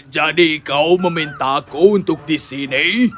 jadi kau memintaku untuk di sini